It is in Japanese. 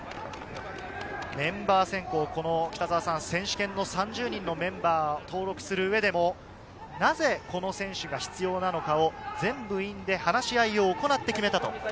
メンバー選考、選手権３０人のメンバーを登録する上でも、なぜこの選手が必要なのかを全部員で話し合いを行って決めた。